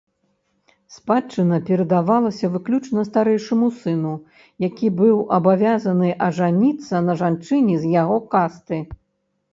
Спадчына перадавалася выключна старэйшаму сыну, які быў абавязаны ажаніцца на жанчыне з яго касты.